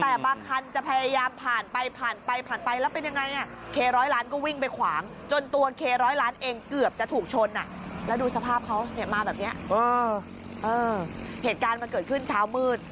เออเหตุการณ์มันเกิดขึ้นเช้ามืด